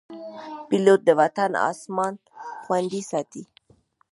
پیلوټ د وطن اسمان خوندي ساتي.